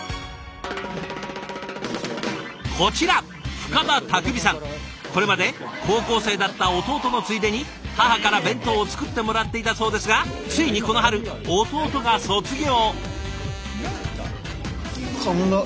こちらこれまで高校生だった弟のついでに母から弁当を作ってもらっていたそうですがついにこの春弟が卒業。